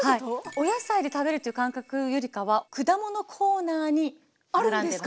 お野菜で食べるっていう感覚よりかは果物コーナーに並んでます。